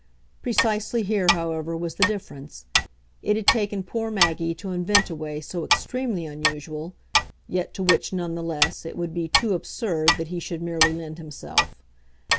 Precisely here, however, was the difference; it had taken poor Maggie to invent a way so extremely unusual yet to which, none the less, it would be too absurd that he should merely lend himself.